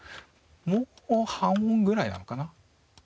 もう半音ぐらいなのかな。